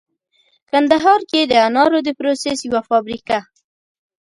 کندهار کې د انارو د پروسس یوه فابریکه